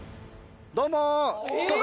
どうも。